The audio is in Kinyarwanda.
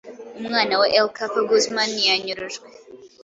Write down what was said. Umwana wa El Capo Guzman yanyurujwe